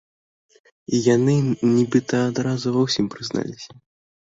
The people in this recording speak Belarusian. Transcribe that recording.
І яны нібыта адразу ва ўсім прызналіся.